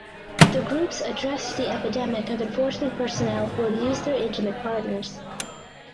The groups addressed the epidemic of enforcement personnel who abuse their intimate partners.